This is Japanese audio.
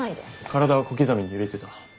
体は小刻みに揺れてた。